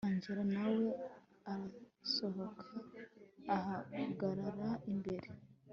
angella nawe arasohoka ahagarara imbere